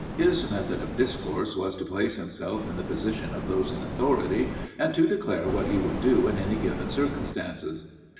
His method of discourse was to place himself in the position of those in authority and to declare what he would do in any given circumstances.